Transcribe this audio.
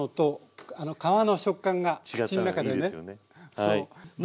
そう。